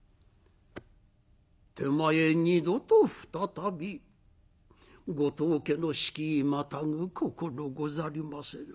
手前二度と再びご当家の敷居またぐ心ござりませぬ」。